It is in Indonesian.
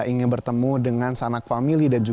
ingin bertemu dengan sanak famili